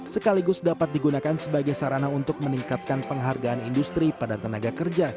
sekaligus dapat digunakan sebagai sarana untuk meningkatkan penghargaan industri pada tenaga kerja